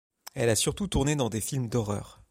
Elle a surtout tourné dans des films d'horreur.